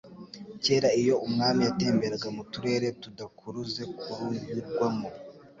Kera iyo umwami yatemberaga mu turere tudakuruze kuruyurwamo,